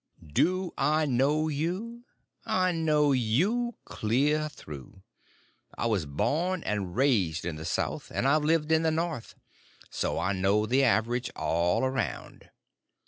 "Do I know you? I know you clear through. I was born and raised in the South, and I've lived in the North; so I know the average all around.